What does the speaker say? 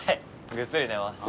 ぐっすり寝ます。